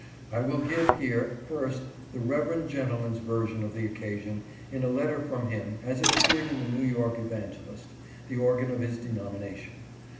I will give here, first, the reverend gentleman's version of the occasion in 31 letter from him as it appeared in the New York Evarir gelist, the organ of his denomination.